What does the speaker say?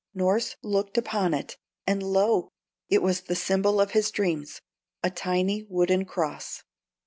Norss looked upon it, and lo! it was the symbol of his dreams, a tiny wooden cross.